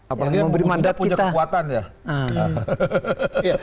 apalagi yang membutuhkan kekuatan ya